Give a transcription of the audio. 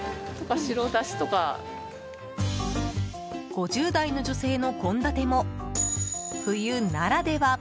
５０代の女性の献立も冬ならでは。